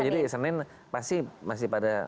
jadi pastinya masih pada